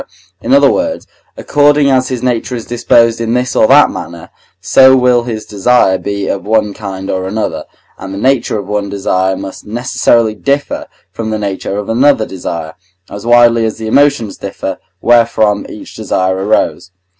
in other words, according as his nature is disposed in this or that manner, so will his desire be of one kind or another, and the nature of one desire must necessarily differ from the nature of another desire, as widely as the emotions differ, wherefrom each desire arose.